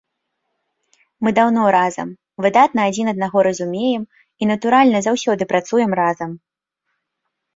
Мы даўно разам, выдатна адзін аднаго разумеем і, натуральна, заўсёды працуем разам.